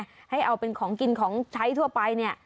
ให้เอาเป็นของกินของใช้ทั่วไปเนี่ย